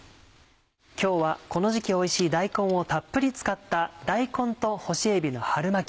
今日はこの時期おいしい大根をたっぷり使った「大根と干しえびの春巻き」